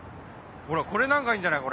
ほらこれなんかいいんじゃない？